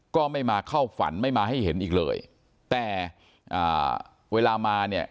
ก็ไม่มาเข้าฝันไม่มาให้เห็นอีกเลยแต่อ่าเวลามาเนี่ย